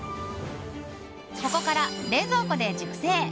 ここから冷蔵庫で熟成。